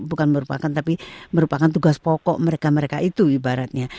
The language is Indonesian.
bukan merupakan tapi merupakan tugas pokok mereka mereka itu ibaratnya